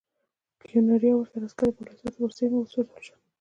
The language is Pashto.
کیوناري او ورسره عسکر یې بالاحصار ته ورڅېرمه وسوځول شول.